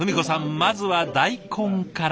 まずは大根から。